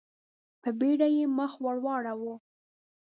په بېړه يې مخ ور واړاوه.